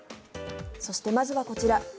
そして、まずはこちら。